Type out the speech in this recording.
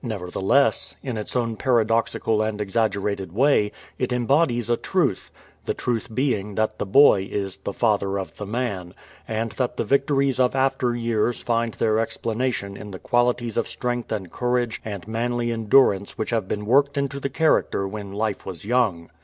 Nevertheless, in its own paradoxical and exaggerated way, it embodies a truth, the truth being that the boy is "the father of the man,'' and that the victories of after years find their explanation in the qualities of strength and courage and manly endurance which have been worked into the character when life was young.